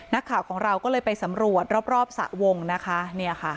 นักข่าวของเราก็เลยไปสำรวจรอบสระวงนี่ครับ